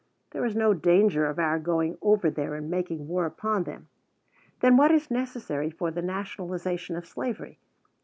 There is no danger of our going over there and making war upon them. Then what is necessary for the nationalization of slavery?